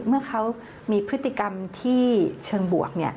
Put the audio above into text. เมื่อเขามีพฤติกรรมที่เชิงบวก